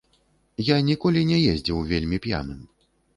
Я ніколі не ездзіў вельмі п'яным.